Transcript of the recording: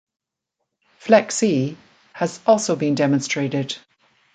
FlexE has also been demonstrated.